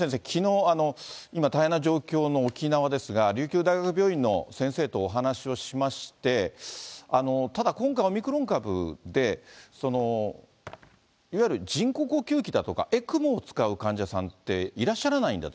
きのう、今、大変な状況の沖縄ですが、琉球大学病院の先生とお話をしまして、ただ今回、オミクロン株で、いわゆる人工呼吸器だとか、ＥＣＭＯを使う患者さんっていらっしゃらない。